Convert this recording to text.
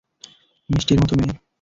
মিষ্টির মতো মেয়ে।